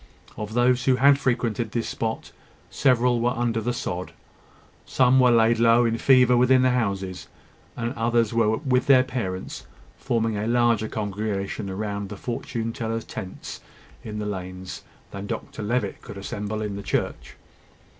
Of those who had frequented this spot, several were under the sod; some were laid low in fever within the houses; and others were with their parents, forming a larger congregation round the fortune tellers' tents in the lanes, than Dr Levitt could assemble in the church.